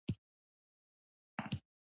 کور، کښت او د غلو دانو کوټې یې نه شوای پرېښودلای.